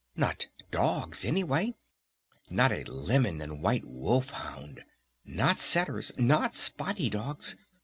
Not dogs, anyway! Not a lemon and white wolf hound! Not setters! Not spotty dogs!